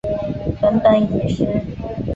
梵本已失。